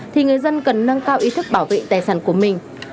thì người dân cần nâng cao ý thức bảo vệ tài sản của mình